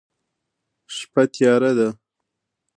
شپه تیاره ده